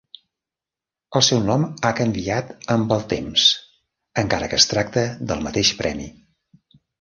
El seu nom ha canviat amb el temps, encara que es tracta del mateix premi.